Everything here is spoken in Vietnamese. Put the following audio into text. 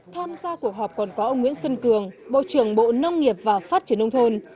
tham gia cuộc họp còn có ông nguyễn xuân cường bộ trưởng bộ nông nghiệp và phát triển nông thôn